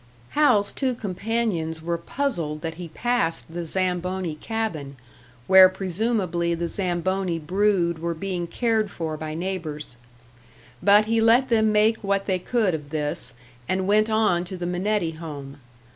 Hal's two companions were puzzled that he passed the Zamboni cabin, where presumably the Zamboni brood were being cared for by neighbours. But he let them make what they could of this, and went on to the Minetti home.